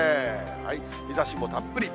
日ざしもたっぷり。